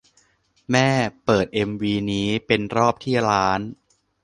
แม่เปิดเอ็มวีนี้เป็นรอบที่ล้าน